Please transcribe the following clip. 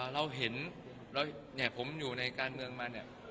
เราเห็นผมอยู่ในการเมืองมาเนี่ย